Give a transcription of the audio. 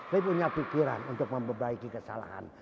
saya punya pikiran untuk memperbaiki kesalahan